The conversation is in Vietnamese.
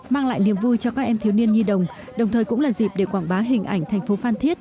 mang lại niềm vui cho các em thiếu niên nhi đồng đồng thời cũng là dịp để quảng bá hình ảnh thành phố phan thiết